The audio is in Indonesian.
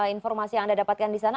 informasi yang anda dapatkan di sana